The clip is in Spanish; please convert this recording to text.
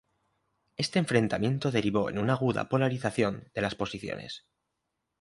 Este enfrentamiento derivó en una aguda polarización de las posiciones.